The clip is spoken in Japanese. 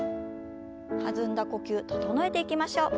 弾んだ呼吸整えていきましょう。